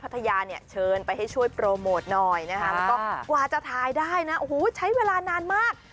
พัทยาเนี่ยเชิญไปให้ช่วยโปรโมทหน่อยกว่าจะถ่ายได้นะใช้เวลานานมาก